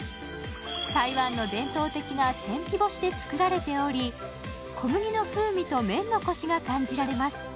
台湾の伝統的な天日干しで作られており、小麦の風味と麺のこしが感じられます。